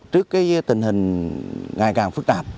trước tình hình ngày càng phức tạp